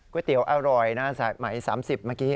เตี๋ยวอร่อยนะสายไหม๓๐เมื่อกี้